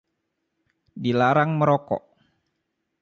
Dilarang merokok!